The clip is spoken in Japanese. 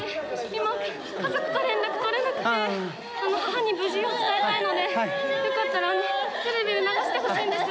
今家族と連絡取れなくて母に無事を伝えたいのでよかったらテレビで流してほしいんです。